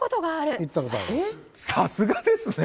さすがですね。